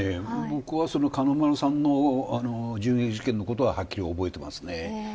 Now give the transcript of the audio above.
僕は金丸さんの銃撃事件のことははっきり覚えています。